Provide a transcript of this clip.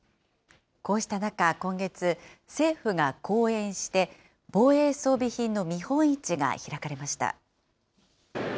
こうした中、今月、政府が後援して、防衛装備品の見本市が開かれました。